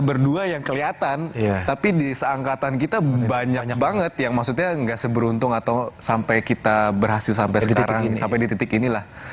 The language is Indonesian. berdua yang kelihatan tapi di seangkatan kita banyak banget yang maksudnya nggak seberuntung atau sampai kita berhasil sampai sekarang sampai di titik inilah